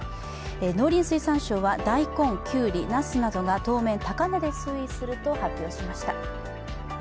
農林水産省は大根、きゅうり、なすなどが当面、高値で推移すると発表しました。